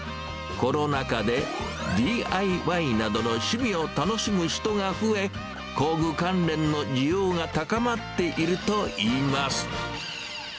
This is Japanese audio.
コロナ禍でＤＩＹなどの趣味を楽しむ人が増え、工具関連の需要が高まっているといいます。